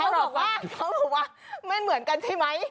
เขาบอกว่าไม่เหมือนกันใช่ไหม